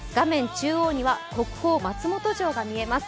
中央には国宝・松本城が見えます。